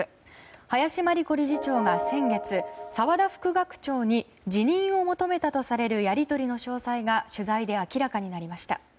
林真理子理事長が先月澤田副学長に辞任を求めたとされるやり取りの詳細が取材で明らかになりました。